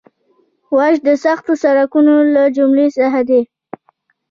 واش د سختو سړکونو له جملې څخه دی